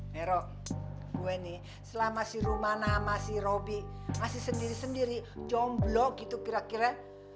hero gue nih selama si rumana masih robby masih sendiri sendiri jomblo gitu kira kira